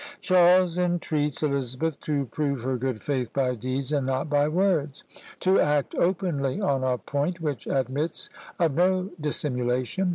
Charles entreats Elizabeth to prove her good faith by deeds and not by words; to act openly on a point which admits of no dissimulation.